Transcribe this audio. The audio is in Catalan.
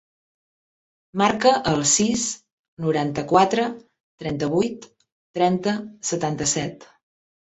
Marca el sis, noranta-quatre, trenta-vuit, trenta, setanta-set.